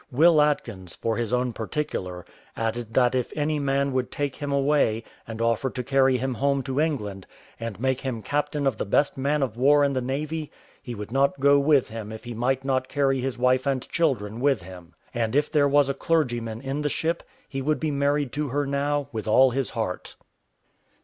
Will Atkins, for his own particular, added that if any man would take him away, and offer to carry him home to England, and make him captain of the best man of war in the navy, he would not go with him if he might not carry his wife and children with him; and if there was a clergyman in the ship, he would be married to her now with all his heart.